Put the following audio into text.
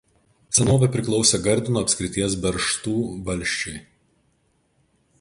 Senovė priklausė Gardino apskrities Beržtų valsčiui.